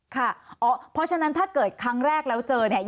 ค่ะเพราะฉะนั้นถ้าเกิดครั้งแรกแล้วเจอเนี่ย